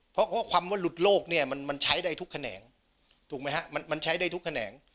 เพราะข้อความว่าหลุดโลกเนี่ยมันใช้ได้ทุกแขนงถูกไหมฮะมันใช้ได้ทุกแขนง